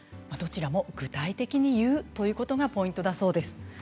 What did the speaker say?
どちらも具体的に言うということがポイントだそうです。